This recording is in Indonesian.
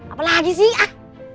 apa lagi sih